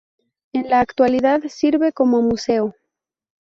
En la actualidad sirve como museo.